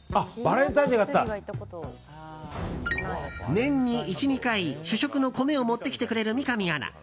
年に１２回、主食の米を持ってきてくれる三上アナ。